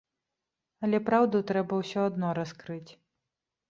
Але праўду трэба ўсё адно раскрыць.